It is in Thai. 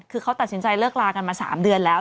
คือเขาตัดสินใจเลิกลากันมา๓เดือนแล้ว